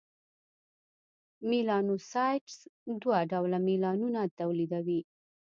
میلانوسایټس دوه ډوله میلانون تولیدوي: